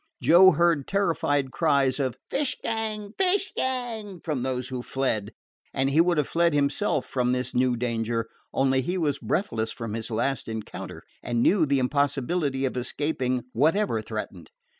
Joe heard terrified cries of "Fish gang!" "Fish gang!" from those who fled, and he would have fled himself from this new danger, only he was breathless from his last encounter, and knew the impossibility of escaping whatever threatened.